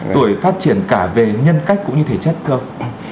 tuổi phát triển cả về nhân cách cũng như thể chất không